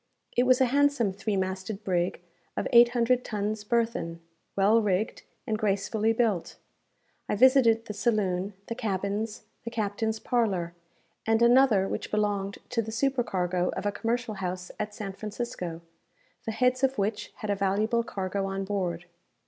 It was a handsome three masted brig of eight hundred tons burthen, well rigged, and gracefully built. I visited the saloon, the cabins, the captain's parlour, and another which belonged to the supercargo of a commercial house at San Francisco, the heads of which had a valuable cargo on board.